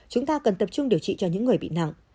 chúng ta cần tập trung điều trị cho những người bị nặng